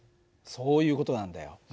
そういう事なんだよ。